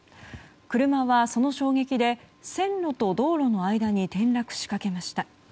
車はその衝撃で線路と道路の間に転落しかけました。